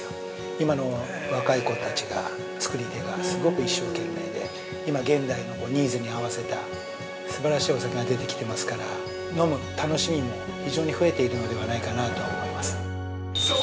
今の若い子たちが、造り手がすごく一生懸命で今、現代のニーズに合わせたすばらしいお酒が出てきてますから飲む楽しみも非常に増えているのではないかなと思います。